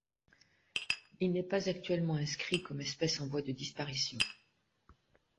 Il n'est pas actuellement inscrit comme espèce en voie de disparition.